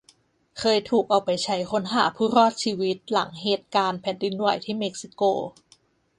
เคยถูกเอาไปใช้ค้นหาผู้รอดชีวิตหลังเหตุการณ์แผ่นดินไหวที่เม็กซิโก